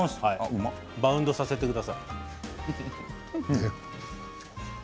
バウンドさせてください。